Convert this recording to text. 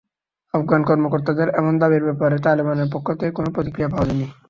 আফগান কর্মকর্তাদের এমন দাবির ব্যাপারে তালেবানের পক্ষ থেকে কোনো প্রতিক্রিয়া পাওয়া যায়নি।